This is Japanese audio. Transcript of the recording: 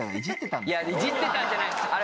いやイジってたんじゃないですあれ